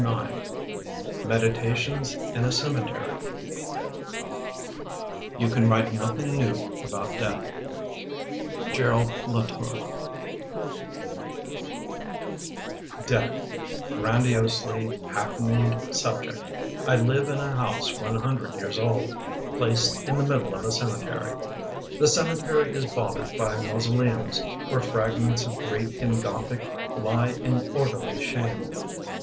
MEDITATIONS IN A CEMETERY You can write nothing new about death GESOID LAXOUS DEATH, Grandiosely hackneyed subject, I live in a house one hundred years old Placed in the middle of a cemetery. The cemetery is bothered by mausoleums Where fragments of Greek and Gothic Lie in orderly shame.